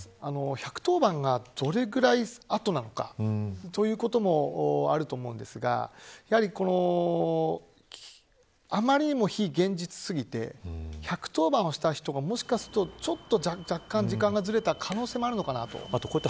１１０番が、どのぐらい後なのかということもあると思うんですが余りにも非現実すぎて１１０番をした人が若干時間がずれた可能性もあるのかなと。